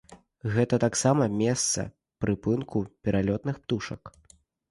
Гэта таксама месца прыпынку пералётных птушак.